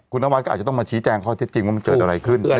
คุณนวัดก็อาจจะต้องมาชี้แจงข้อเท็จจริงว่ามันเกิดอะไรขึ้น